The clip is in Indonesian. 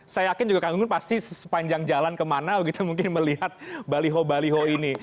saya yakin kang gunggun juga pasti sepanjang jalan kemana mungkin melihat baliho baliho ini